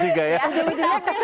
jadi kalau rian masuk